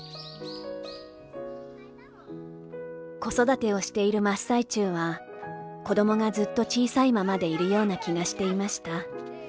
「子育てをしている真っ最中は、子供がずっと小さいままでいるような気がしていました。